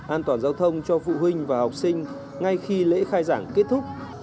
an toàn giao thông cho phụ huynh và học sinh ngay khi lễ khai giảng kết thúc